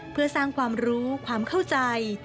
เพื่อสร้างความรู้ความเข้าใจ